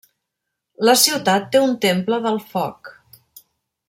La ciutat té un temple del Foc.